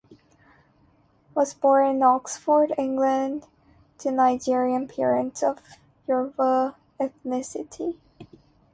Oyelowo was born in Oxford, England, to Nigerian parents of Yoruba ethnicity.